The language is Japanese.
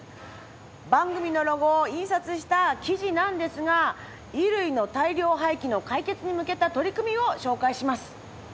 番組のロゴを印刷した生地なんですが衣類の大量廃棄の解決に向けた取り組みを紹介します。